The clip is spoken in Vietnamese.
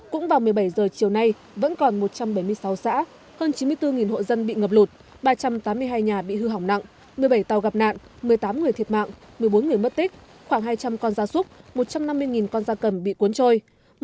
cũng vào một mươi bảy h chiều nay vẫn còn một trăm bảy mươi sáu xã hơn chín mươi bốn hộ dân bị ngập lụt ba trăm tám mươi hai nhà bị hư hỏng nặng một mươi bảy tàu gặp nạn một mươi tám người thiệt mạng một mươi bốn người mất tích khoảng hai trăm linh con gia súc một trăm năm mươi con da cầm bị cuốn trôi